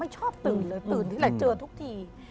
ชอบตื่นเลยตื่นทีไรเจอทุกที